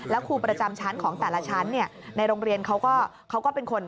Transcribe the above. แล้วครูประจำชั้นของแต่ละชั้นในโรงเรียนเขาก็เป็นคน